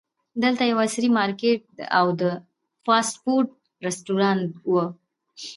دلته یو عصري مارکیټ او د فاسټ فوډ رسټورانټ و.